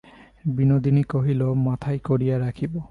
বিনোদিনী কহিল, মাথায় করিয়া রাখিব।